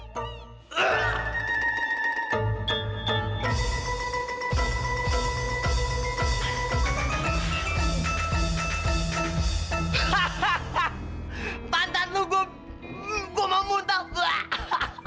hahaha pantat lu gua mau muntah